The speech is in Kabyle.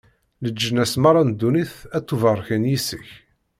Leǧnas meṛṛa n ddunit ad ttubarken yis-k.